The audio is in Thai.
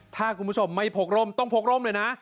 ถ้าคุณผู้ชมไม่พกร่มต้องพกร่มเลยนะ